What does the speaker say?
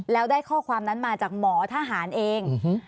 แล้วได้ข้อความนั้นมาจากหมอทหารเอง